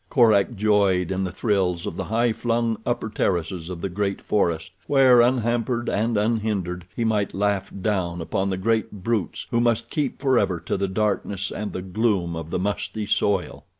Korak joyed in the thrills of the highflung upper terraces of the great forest, where, unhampered and unhindered, he might laugh down upon the great brutes who must keep forever to the darkness and the gloom of the musty soil.